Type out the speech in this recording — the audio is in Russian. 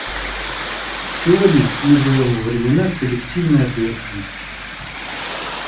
Сегодня мы живем во времена коллективной ответственности.